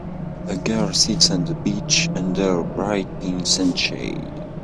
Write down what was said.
A girl sits on the beach under a bright pink sunshade.